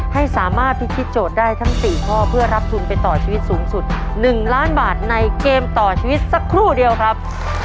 ให้สามารถพิธีโจทย์ได้ทั้ง๔ข้อเพื่อรับทุนไปต่อชีวิตสูงสุด๑ล้านบาทในเกมต่อชีวิตสักครู่เดียวครับ